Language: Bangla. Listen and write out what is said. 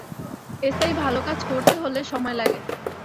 স্থায়ী ভাল কাজ করতে হলে সময় লাগে।